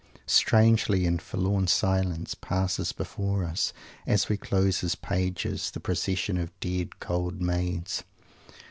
Strangely in forlorn silence passes before us, as we close his pages, that procession of "dead, cold Maids."